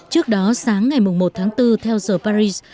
trước đó sáng ngày một tháng bốn theo giờ paris